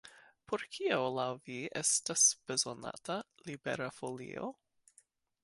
Por kio laŭ vi estas bezonata Libera Folio?